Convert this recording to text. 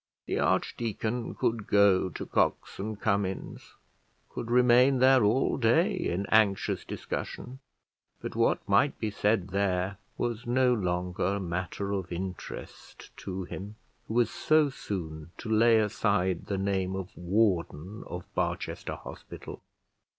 The archdeacon could go to Cox and Cummins, could remain there all day in anxious discussion; but what might be said there was no longer matter of interest to him, who was so soon to lay aside the name of warden of Barchester Hospital.